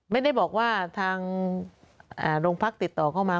ไม่ได้บอกว่าทางโรงพักติดต่อเข้ามา